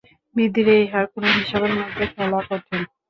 বৃদ্ধির এই হার কোনো হিসাবের মধ্যে ফেলা কঠিন।